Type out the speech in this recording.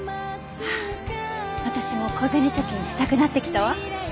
私も小銭貯金したくなってきたわ。